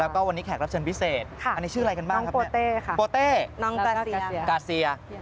แล้วก็วันนี้แขกรับเชิญพิเศษอันนี้ชื่ออะไรกันบ้างครับโปเต้นังกาเซีย